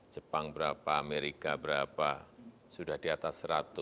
jepang berapa amerika berapa sudah di atas seratus